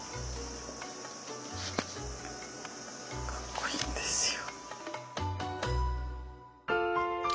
かっこいいんですよ。